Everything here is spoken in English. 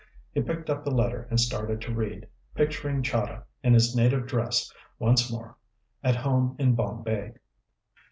He picked up the letter and started to read, picturing Chahda, in his native dress once more, at home in Bombay.